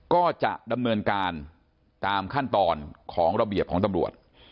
ก็จะดำเนินการตามขั้นตอนของระเบียบของตำรวจ